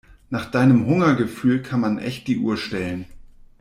Nach deinem Hungergefühl kann man echt die Uhr stellen.